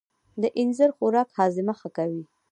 د اینځر خوراک هاضمه ښه کوي.